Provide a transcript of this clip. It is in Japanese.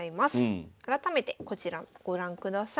改めてこちらご覧ください。